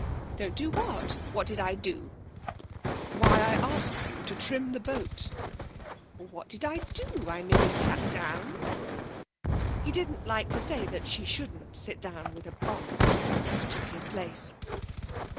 'Don't do what? What did I do?' 'Why, I asked you to trim the boat.' 'What did I do? I merely sat down.' He didn't like to say that she shouldn't sit down with a bump, and took his place.